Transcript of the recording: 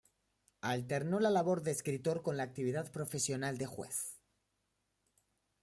Alternó la labor de escritor con la actividad profesional de juez.